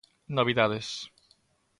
Novidades.